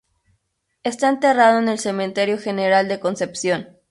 Está enterrado en el Cementerio General de Concepción.